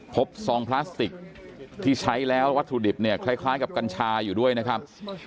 ซองพลาสติกที่ใช้แล้ววัตถุดิบเนี่ยคล้ายกับกัญชาอยู่ด้วยนะครับ